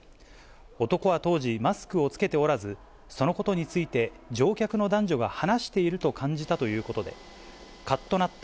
男は当時、マスクを着けておらず、そのことについて、乗客の男女が話していると感じたということで、かっとなった。